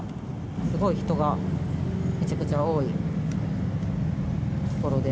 すごい人がめちゃくちゃ多いところで。